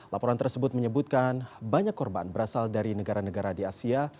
laporan tersebut menyebutkan banyak korban berasal dari negara negara di asia